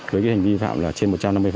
với cái hành vi phạm là trên một trăm năm mươi